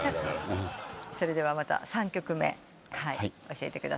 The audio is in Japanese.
それでは３曲目教えてください。